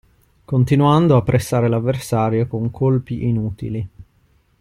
Continuando a pressare l'avversario con colpi inutili.